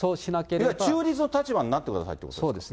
要は中立の立場になってくださいってことですか？